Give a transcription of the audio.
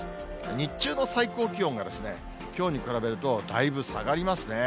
日中の最高気温がきょうに比べるとだいぶ下がりますね。